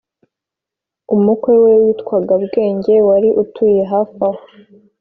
Umukwe we witwaga Bwenge wari utuye hafi aho